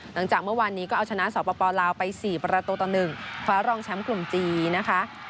หลังจากเมื่อวานนี้ก็เอาชนะสปลาวไป๔ประตูต่อ๑คว้ารองแชมป์กลุ่มจีนนะคะ